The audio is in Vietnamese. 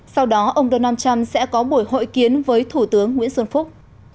sau đó ông donald trump sẽ có buổi hội kiến với thủ tướng nguyễn xuân phúc